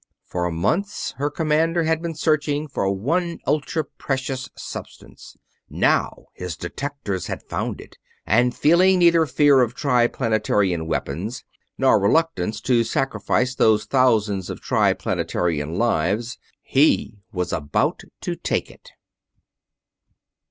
For months her commander had been searching for one ultra precious substance. Now his detectors had found it; and, feeling neither fear of Triplanetarian weapons nor reluctance to sacrifice those thousands of Triplanetarian lives, he was about to take it!